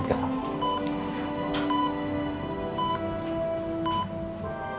meskipun kita udah putus